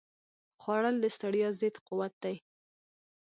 خوړل د ستړیا ضد قوت دی